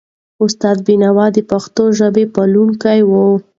استاد بینوا د پښتو ژبي پالونکی و.